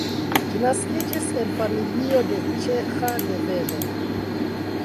Ĝi naskiĝis el familio de ĉeĥa deveno.